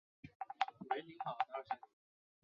稀花勿忘草为紫草科勿忘草属的植物。